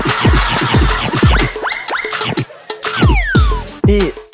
พี่